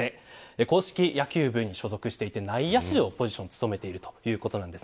硬式野球部に所属していて内野手を務めているということなんです。